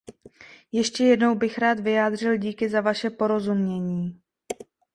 Ještě jednou bych rád vyjádřil díky za vaše porozumění.